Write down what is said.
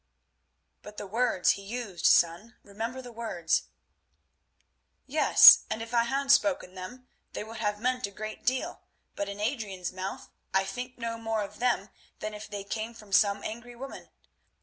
"But the words he used, son. Remember the words." "Yes, and if I had spoken them they would have meant a great deal, but in Adrian's mouth I think no more of them than if they came from some angry woman.